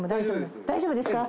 大丈夫ですか？